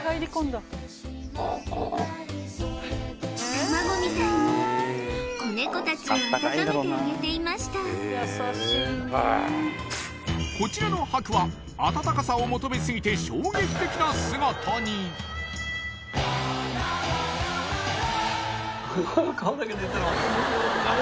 卵みたいに子ネコたちを温めてあげていましたこちらのハクは温かさを求めすぎて衝撃的な姿に・ぐはっ顔だけ出てます